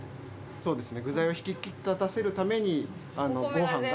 そうですね。